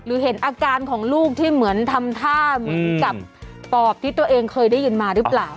เห็นอาการของลูกที่เหมือนทำท่าเหมือนกับปอบที่ตัวเองเคยได้ยินมาหรือเปล่า